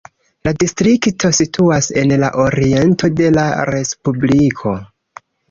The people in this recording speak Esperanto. La distrikto situas en la oriento de la respubliko.